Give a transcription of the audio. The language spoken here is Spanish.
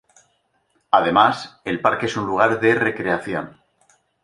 Además, el parque es un lugar de recreación.